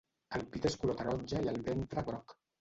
El pit és color taronja i el ventre groc.